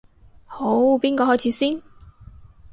好，邊個開始先？